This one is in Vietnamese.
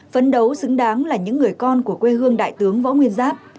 phấn đấu xứng đáng là những người con của quê hương đại tướng võ nguyên giáp